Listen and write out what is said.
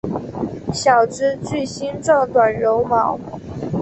小枝具星状短柔毛。